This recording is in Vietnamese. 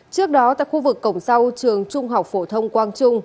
trước đó tại khu vực cổng sau trường trung học phổ thông quang trung